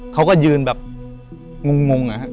เขาก็ยืนแบบงงอะครับ